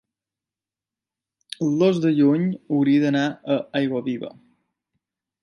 el dos de juny hauria d'anar a Aiguaviva.